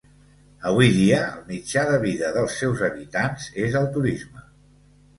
Avui dia el mitjà de vida dels seus habitants és el turisme.